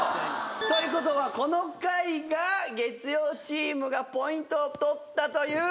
ということはこの回が月曜チームがポイントを取ったということで３勝１敗。